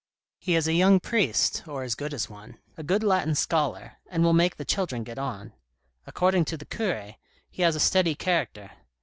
He is a young priest, or as good as one, a good Latin scholar, and will make the children get on. According to the cure, he has a steady character.